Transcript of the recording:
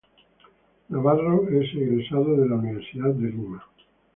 Navarro es egresado de la Universidad de Lima